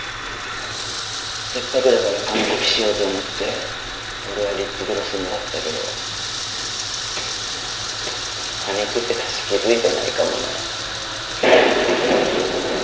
せっかくだから完コピしようと思って俺はリップグロスもらったけどパニクってたし気づいてないかもね。